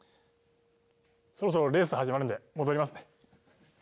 そろそろレース始まるんで戻りますね。